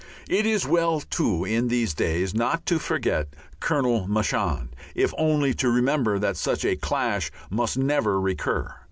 It is well too in these days not to forget Colonel Marchand, if only to remember that such a clash must never recur.